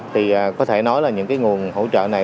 thì có thể nói là những cái nguồn hỗ trợ này